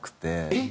えっ？